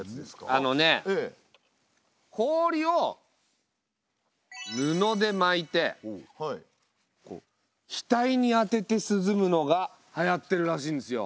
氷を布で巻いて額に当てて涼むのがはやってるらしいんですよ。